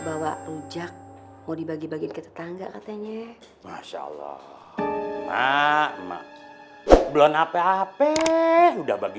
bawa rujak mau dibagi bagi tetangga katanya masya allah emak emak belum apa apa udah bagi